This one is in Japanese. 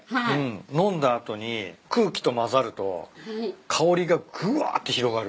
飲んだ後に空気と混ざると香りがぐわって広がる。